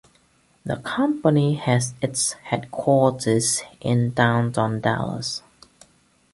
The company has its headquarters in Downtown Dallas.